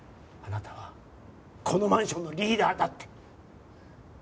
あなたはこのマンションのリーダーだって。